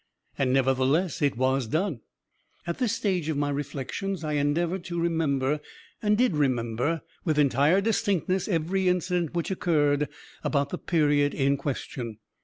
And nevertheless it was done. "At this stage of my reflections I endeavored to remember, and did remember, with entire distinctness, every incident which occurred about the period in question.